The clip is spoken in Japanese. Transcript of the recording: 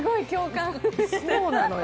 そうなのよ。